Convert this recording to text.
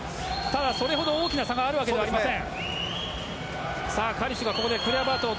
それほど大きな差があるわけではありません。